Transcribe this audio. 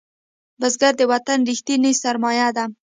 بزګر د وطن ریښتینی سرمایه ده